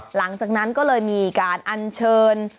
หลังจากนั้นก็เลยมีการอัญเชิญ